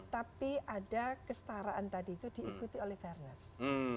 tapi ada kestaraan tadi itu diikuti oleh fairness